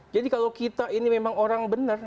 jadi kalau kita ini memang orang benar